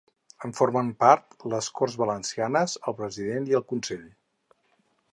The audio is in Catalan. En formen part les Corts Valencianes, el President i el Consell.